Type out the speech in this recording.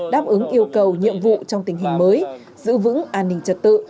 đáp ứng yêu cầu nhiệm vụ trong tình hình mới giữ vững an ninh trật tự